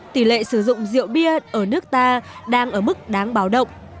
tỷ lệ sử dụng rượu bia ở nước ta đang ở mức đáng báo động